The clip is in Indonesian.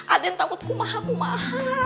aden takut kumaha kumaha